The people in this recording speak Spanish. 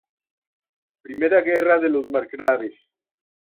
Primera Guerra de los Margraves